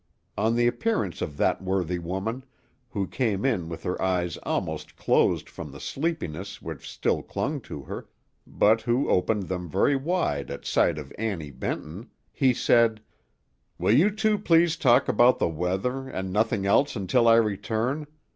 On the appearance of that worthy woman, who came in with her eyes almost closed from the sleepiness which still clung to her, but who opened them very wide at sight of Annie Benton, he said, "Will you two please talk about the weather, and nothing else, until I return?